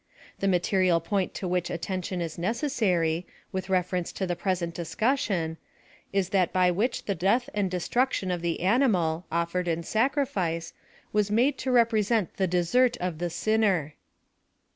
The material point to which attention is necessary, with reference to the present discussion, is that by which the death and destruc tion of the animal, offered in sacrifice, was made to represent the desert of the sinner.